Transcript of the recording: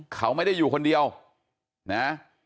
เขาไม่ได้อยู่คนเดียวนะ